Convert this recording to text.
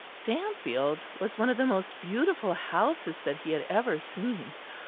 Stanfield was one of the most beautiful houses that he had ever seen.